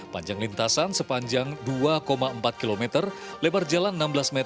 panjang lintasan sepanjang dua empat km lebar jalan enam belas meter